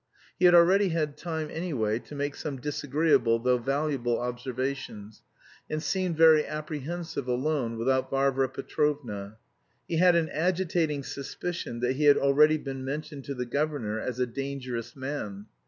He had already had time anyway to make some disagreeable though valuable observations, and seemed very apprehensive alone without Varvara Petrovna. He had an agitating suspicion that he had already been mentioned to the governor as a dangerous man.